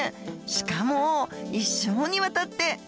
しかも一生にわたって。